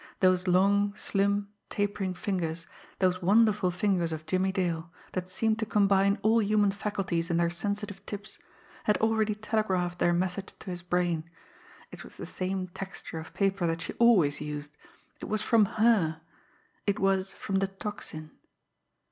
Those long, slim, tapering fingers, those wonderful fingers of Jimmie Dale, that seemed to combine all human faculties in their sensitive tips, had already telegraphed their message to his brain it was the same texture of paper that she always used it was from her it was from the Tocsin.